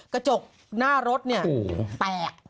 กระจกหน้ารถแปลก